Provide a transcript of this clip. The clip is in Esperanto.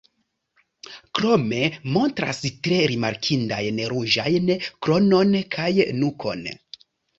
Krome montras tre rimarkindajn ruĝajn kronon kaj nukon.